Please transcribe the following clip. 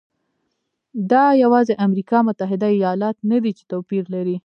دا یوازې امریکا متحده ایالات نه دی چې توپیر لري.